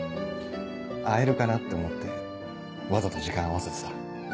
会えるかなって思ってわざと時間合わせてた。